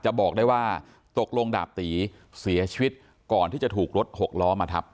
บอกได้ว่าตกลงดาบตีเสียชีวิตก่อนที่จะถูกรถหกล้อมาทับ